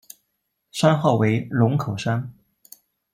山号为龙口山。